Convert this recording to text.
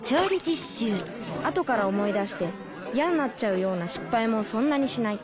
後から思い出して嫌んなっちゃうような失敗もそんなにしない